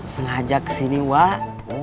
sengaja ke sini wak